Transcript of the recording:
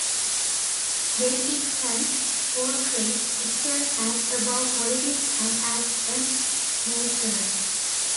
Then it can portray itself as 'above politics' and as 'a neutral'.